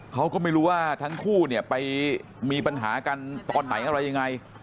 เขาก็ไม่รู้ว่าทั้งคู่เนี่ยไปมีปัญหากันตอนไหนอะไรยังไง